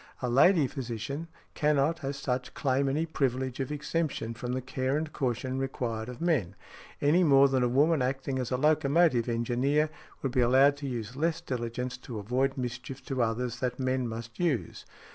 A lady physician cannot as such claim any privilege of exemption from the care and caution required of men, any more than a woman acting as a locomotive engineer could be allowed to use less diligence to avoid mischief to others than men must use.